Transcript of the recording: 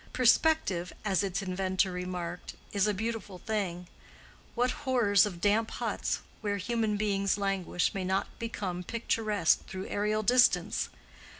Perspective, as its inventor remarked, is a beautiful thing. What horrors of damp huts, where human beings languish, may not become picturesque through aerial distance!